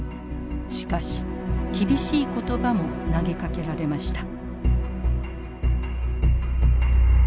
しかし厳しい言葉も投げかけられました。